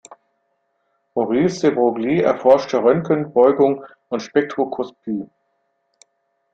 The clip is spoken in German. Maurice de Broglie erforschte Röntgen-Beugung und Spektroskopie.